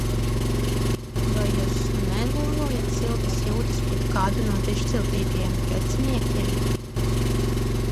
Vai jūs nelolojat siltas jūtas pret kādu no dižciltīgajiem preciniekiem?